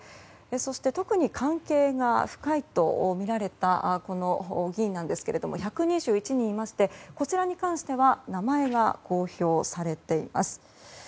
そして特に関係が深いとみられた議員ですが１２１人いましてこちらに関しては名前が公表されています。